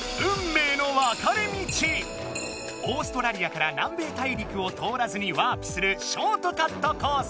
オーストラリアから南米大陸を通らずにワープする「ショートカットコース」。